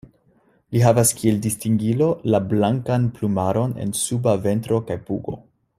Li havas kiel distingilo la blankan plumaron en suba ventro kaj pugo.